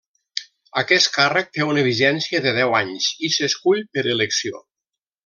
Aquest càrrec té una vigència de deu anys, i s’escull per elecció.